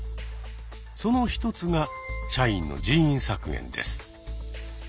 その一つが社員の人員削減です。